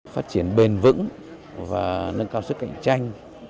phát triển bền vững và nâng cao sức cạnh tranh